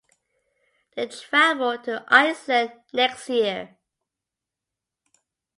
They travel to Iceland next year.